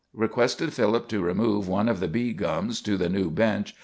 Requested Philip to remove one of the bee gums to the new bench.